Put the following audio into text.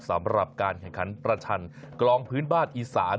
สำหรับการแข่งขันประชันกลองพื้นบ้านอีสาน